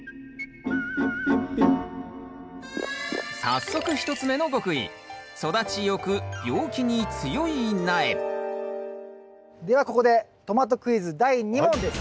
早速１つ目の極意ではここでトマトクイズ第２問です。